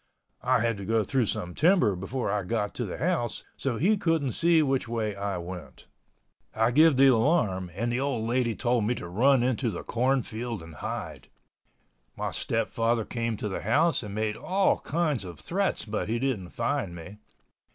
I had to go through some timber before I got to the house, so he couldn't see which way I went. I give the alarm and the old lady told me to run into the corn field and hide. My stepfather came to the house and made all kinds of threats but he didn't find me.